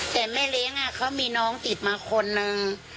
แต่แม่เลี้ยงเขามีน้องติดมาคนนึง